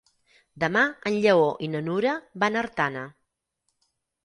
Demà en Lleó i na Nura van a Artana.